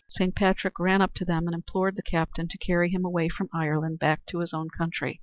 Saint Patrick ran up to them and implored the captain to carry him away from Ireland back to his own country.